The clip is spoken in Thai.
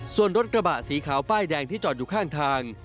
ส่วนรถกระบะสีขาวป้ายแดงที่จอดอยู่ข้างทาง